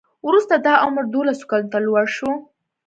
وروسته دا عمر دولسو کلونو ته لوړ شو.